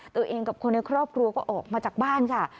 ตัวเองกับคนในครอบครัวก็ออกมาจากบ้านค่ะ